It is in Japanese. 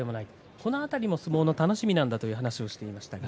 その辺りも相撲の楽しみなんだという話をしていました。